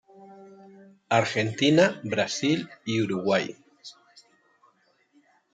Argentina, Brasil y Uruguay.